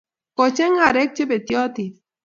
Kocheng' arek Che betyotin,